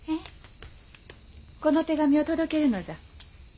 この手紙を届けるのじゃ。